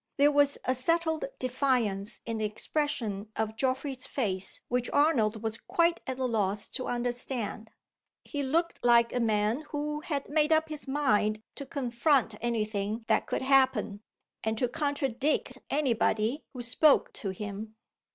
There was a settled defiance in the expression of Geoffrey's face, which Arnold was quite at a loss to understand. He looked like a man who had made up his mind to confront any thing that could happen, and to contradict any body who spoke to him.